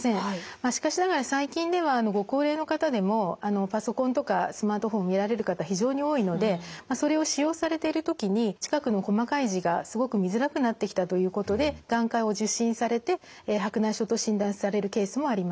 まあしかしながら最近ではご高齢の方でもパソコンとかスマートフォン見られる方非常に多いのでそれを使用されてる時に近くの細かい字がすごく見づらくなってきたということで眼科を受診されて白内障と診断されるケースもあります。